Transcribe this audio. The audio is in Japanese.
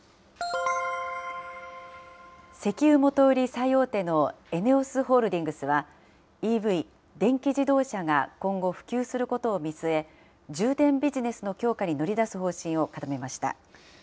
石油元売り最大手のＥＮＥＯＳホールディングスは、ＥＶ・電気自動車が今後、普及することを見据え、充電ビジネスの強化に乗り出す方針を固めました。